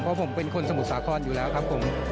เพราะผมเป็นคนสมุทรสาครอยู่แล้วครับผม